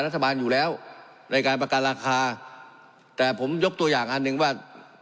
รัฐบาลอยู่แล้วในการประกันราคาแต่ผมยกตัวอย่างอันหนึ่งว่า